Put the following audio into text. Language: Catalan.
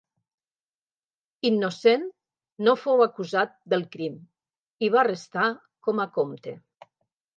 Innocent no fou acusat del crim i va restar com a comte.